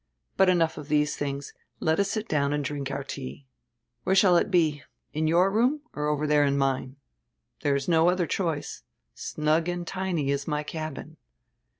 But enough of these tilings; let us sit down and drink our tea. Where shall it be? Here in your room or over there in mine? There is no other choice. Snug and tiny is my cabin."